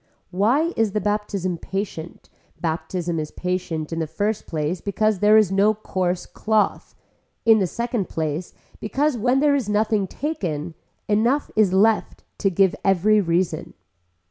Why is the baptism patient, baptism is patient in the first place because there is no coarse cloth, in the second place because when there is nothing taken enough is left to give every reason.